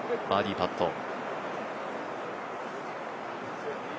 バーディーパット。